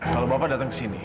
kalau bapak datang kesini